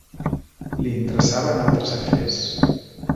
Li interessaven altres afers.